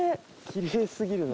きれいすぎるな。